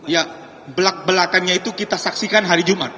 ya belak belakannya itu kita saksikan hari jumat